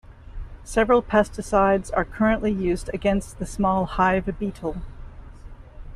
Several pesticides are currently used against the small hive beetle.